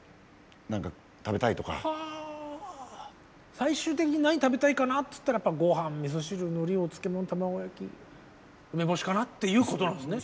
最終的に何食べたいかなって言ったらごはん味汁海苔お漬物卵焼き梅干しかなっていうことなんですね。